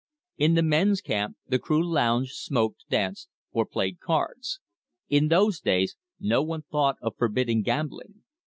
In the men's camp the crew lounged, smoked, danced, or played cards. In those days no one thought of forbidding gambling.